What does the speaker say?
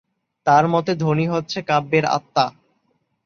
তাঁর মতে ধ্বনি হচ্ছে কাব্যের আত্মা।